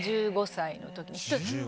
１５歳の時に。